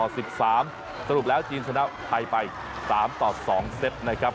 สรุปแล้วจีนชนะไทยไป๓ต่อ๒เซตนะครับ